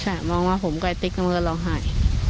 ใช่มองมาผมกับไอ้ติ๊กกำลังรอหาย